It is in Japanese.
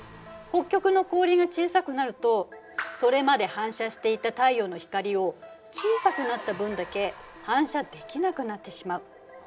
北極の氷が小さくなるとそれまで反射していた太陽の光を小さくなった分だけ反射できなくなってしまう。